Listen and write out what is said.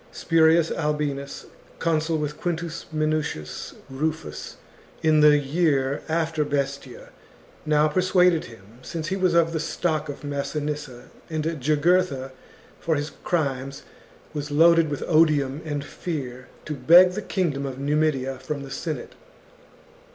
Spurius Albinus, consul with Quintus Minucius Rufus in the year after Bestia, now persuaded him, since he was of the stock of Massinissa, and Jugurtha for his crimes was loaded with odium and fear, to beg the kingdom of Numidia from the Senate.